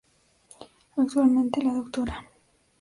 Actualmente, la Dra.